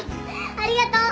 ありがとう。